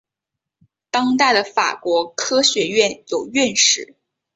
当代的法国科学院有院士。